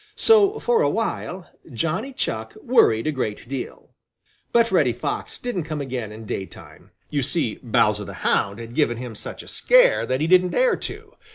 So for a while Johnny Chuck worried a great deal. But Reddy Fox didn't come again in daytime. You see Bowser the Hound had given him such a scare that he didn't dare to.